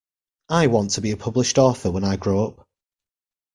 I want to be a published author when I grow up.